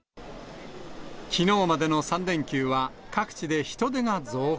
きのうまでの３連休は、各地で人出が増加。